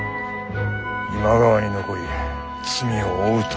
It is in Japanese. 今川に残り罪を負うと。